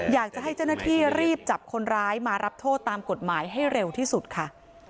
อยากจะให้เจ้าหน้าที่รีบจับคนร้ายมารับโทษตามกฎหมายให้เร็วที่สุดค่ะ